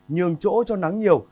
nhường chỗ cho nắng nhiều